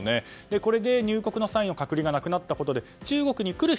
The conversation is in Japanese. これで入国の際の隔離がなくなったことで中国に来る人